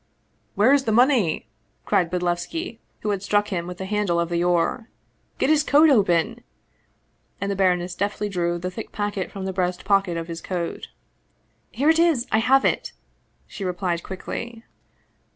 " Where is the money ?" cried Bodlevski, who had struck him with the handle of the oar. " Get his coat open !" and the baroness deftly drew the thick packet from the breast pocket of his coat. "Here it is! I have it!" she replied quickly.